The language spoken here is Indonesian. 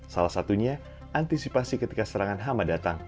salah satunya antisipasi ketika serangan hama datang